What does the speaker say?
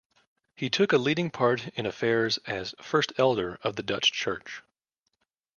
He took a leading part in affairs as 'first elder' of the Dutch church.